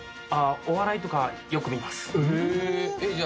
あっお笑いとかよく見ます。え。